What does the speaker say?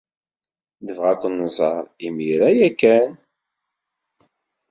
Nebɣa ad ken-nẓer imir-a ya kan.